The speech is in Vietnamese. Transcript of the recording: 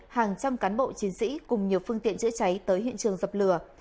hàng trăm cán bộ chiến sĩ cùng nhiều phương tiện chữa cháy tới hiện trường dập lửa